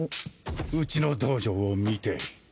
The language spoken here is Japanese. うちの道場を見て。